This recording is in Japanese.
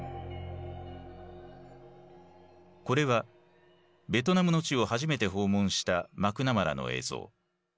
これはベトナムの地を初めて訪問したマクナマラの映像。